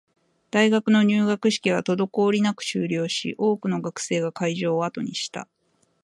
大学の入学式は滞りなく終了し、多くの学生が会場を後にした